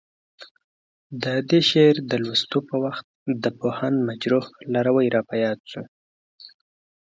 د دې شعر د لوستو په وخت د پوهاند مجروح لاروی راپه یاد شو.